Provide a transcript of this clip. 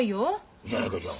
いいじゃねえかじゃあ。